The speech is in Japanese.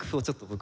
僕